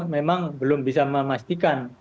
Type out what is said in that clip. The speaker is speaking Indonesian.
memang belum bisa memastikan